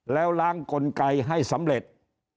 แล้วล้างกลไกให้สำเร็จ